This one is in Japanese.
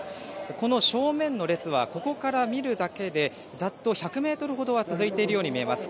この正面の列はここから見るだけでざっと１００メートルほどは続いているように見えます。